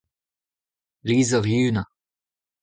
Lizher Yuna.